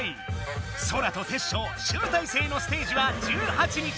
ソラとテッショウ集大成のステージは１８日！